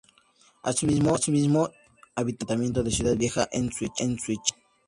Asimismo, habitaron el asentamiento de Ciudad Vieja, en Suchitoto.